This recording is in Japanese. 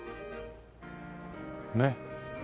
ねっ。